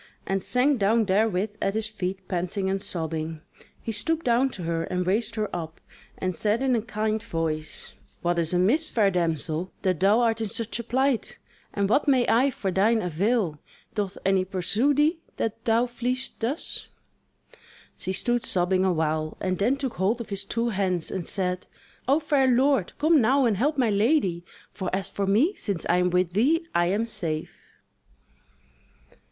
and sank down therewith at his feet panting and sobbing. He stooped down to her, and raised her up, and said in a kind voice: "What is amiss, fair damsel, that thou art in such a plight; and what may I for thine avail? Doth any pursue thee, that thou fleest thus?" She stood sobbing awhile, and then took hold of his two hands and said: "O fair lord, come now and help my lady! for as for me, since I am with thee, I am safe."